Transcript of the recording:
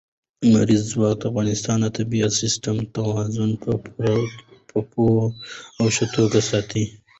لمریز ځواک د افغانستان د طبعي سیسټم توازن په پوره او ښه توګه ساتي.